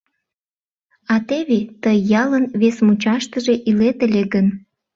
А теве тый ялын вес мучаштыже илет ыле гын...